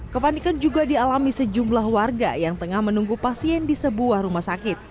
kepanikan juga dialami sejumlah warga yang tengah menunggu pasien di sebuah rumah sakit